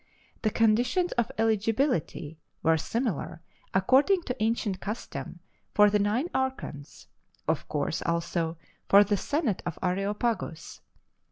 The conditions of eligibility were similar, according to ancient custom, for the nine archons of course, also, for the senate of Areopagus.